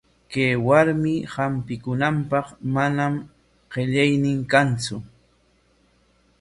Kay warmi hampikunanpaq manam qillaynin kantsu.